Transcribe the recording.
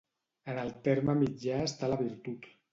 En el terme mitjà està la virtut.